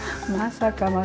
まさか！